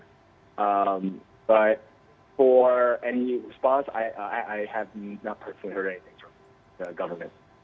tapi untuk sebarang jawaban saya tidak pernah mendengar apa apa dari pemerintah